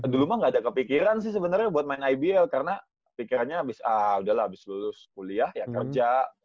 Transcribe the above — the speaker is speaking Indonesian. dulu mah gak ada kepikiran sih sebenarnya buat main ibl karena pikirannya abis ah udah lah habis lulus kuliah ya kerja